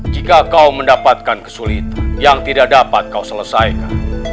jika kau mendapatkan kesulitan yang tidak dapat kau selesaikan